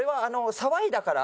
騒いだから。